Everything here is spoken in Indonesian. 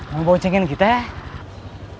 mau bocengin kita ya